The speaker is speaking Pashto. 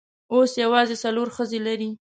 اوس یوازې څلور ښځې لري.